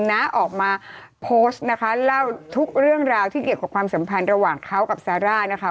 น้าออกมาโพสต์นะคะเล่าทุกเรื่องราวที่เกี่ยวกับความสัมพันธ์ระหว่างเขากับซาร่านะคะ